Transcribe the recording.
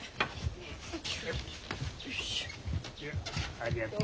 ありがとう。